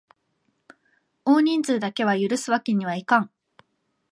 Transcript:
多人数だけは許すわけにはいかん！